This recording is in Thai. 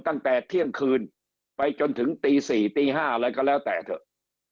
ตั้งแต่เที่ยงคืนไปจนถึงตี๔ตี๕อะไรก็แล้วแต่เถอะ